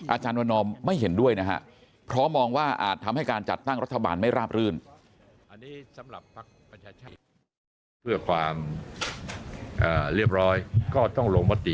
อาจารย์วันนอมไม่เห็นด้วยนะฮะเพราะมองว่าอาจทำให้การจัดตั้งรัฐบาลไม่ราบรื่น